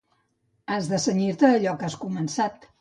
Has de cenyir-te a allò que has començat.